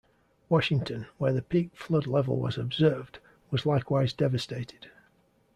Washington, where the peak flood level was observed, was likewise devastated.